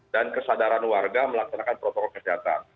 dan kesadaran warga melaksanakan protokol kesehatan